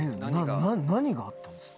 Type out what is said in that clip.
何があったんですか？